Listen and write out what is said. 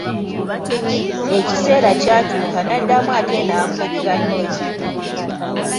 Ekiseera kyatuuka n'addamu atte n'akogga nnyo.